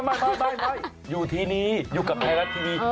ไม่อยู่ทีนี้อยู่กับไทยรัฐทีวี